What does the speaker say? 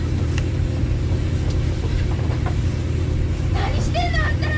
何してんのあんたら！